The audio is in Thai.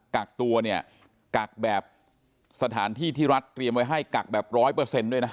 กักตัวเนี่ยกักแบบสถานที่ที่รัฐเตรียมไว้ให้กักแบบร้อยเปอร์เซ็นต์ด้วยนะ